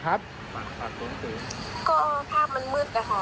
ก็ภาพมันมืดอะค่ะ